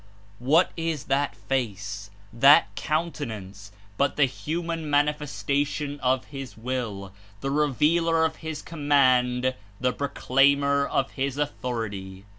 What Is that Face, that Countenance, but the hu man Manifestation of his Will, the Revealer of his Command, the Proclaimer of his Authority!